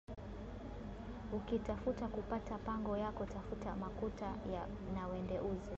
Uki tafuta ku pata pango yako tafuta makuta na wende uze